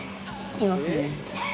いますね。